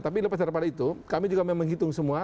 tapi lepas daripada itu kami juga memang menghitung semua